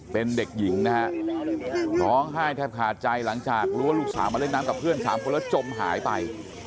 เป็นเด็กหญิงนะฮะร้องไห้แทบขาดใจหลังจากรู้ว่าลูกสาวมาเล่นน้ำกับเพื่อน๓คนแล้วจมหายไป